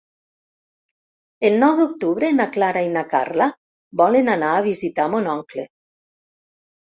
El nou d'octubre na Clara i na Carla volen anar a visitar mon oncle.